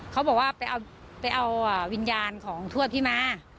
เขาบอกว่าไปเอาวิญญาณของทวดพี่มา